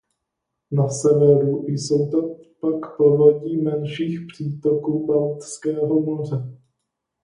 Na severu jsou to pak povodí menších přítoků Baltského moře.